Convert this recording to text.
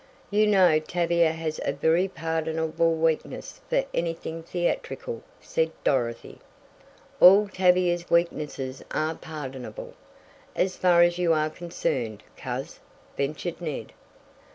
You know Tavia has a very pardonable weakness for anything theatrical," said Dorothy. "All Tavia's weaknesses are pardonable, as far as you are concerned, coz," ventured Ned.